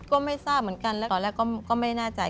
ก็ไม่ทราบเหมือนกันแล้วตอนแรกก็ไม่แน่ใจ